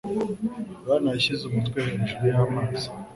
Yohana yashyize umutwe hejuru y'amazi.